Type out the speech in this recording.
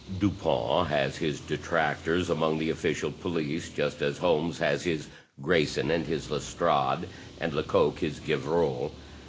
Dupin has his detractors among the official police, just as Holmes has his Greyson and his Lestrade, and Lecoq his Gevrol.